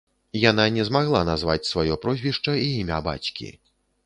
Яна не змагла назваць сваё прозвішча і імя бацькі.